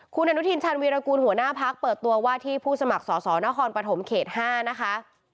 คุณอนุทินชาญวีรกูลหัวหน้าพักเปิดตัวว่าที่ผู้สมัครสอสอนครปฐมเขต๕นะคะ